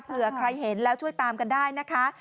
เผื่อใครเห็นแล้วช่วยตามกันได้นะคะ